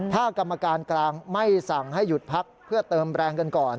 ถ้ากรรมการกลางไม่สั่งให้หยุดพักเพื่อเติมแรงกันก่อน